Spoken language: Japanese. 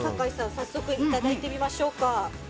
早速いただいてみましょうか。